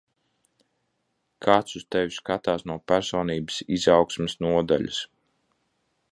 Kāds uz tevi skatās no personības izaugsmes nodaļas.